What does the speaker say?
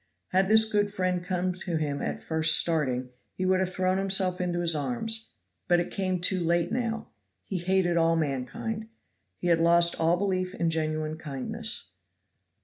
Had this good friend come to him at first starting, he would have thrown himself into his arms; but it came too late now. He hated all mankind. He had lost all belief in genuine kindness.